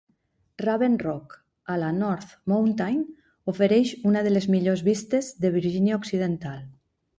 Raven Rock, a la North Mountain, ofereix una de les millors vistes de Virgínia Occidental.